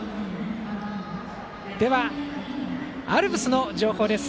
では、アルプスの情報です。